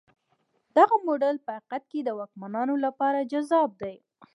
دغه موډل په حقیقت کې د واکمنانو لپاره جذاب دی.